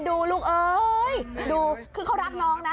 ดูเขารักน้องนะ